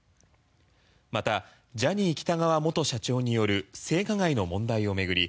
またジャニー喜多川元社長による性加害の問題を巡り